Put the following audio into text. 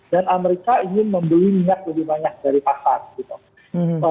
dan amerika ingin membeli minyak lebih banyak dari pasar gitu